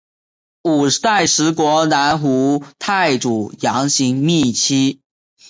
五代十国南吴太祖杨行密妻。